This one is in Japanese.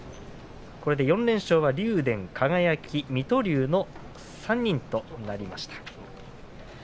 ４連勝は竜電、輝、水戸龍の３人となりました。